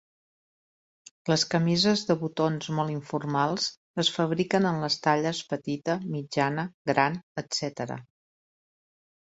Les camises de botons molt informals es fabriquen en les talles petita, mitjana, gran, etc.